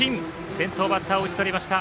先頭バッターを打ち取りました。